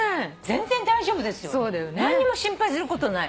何にも心配することない。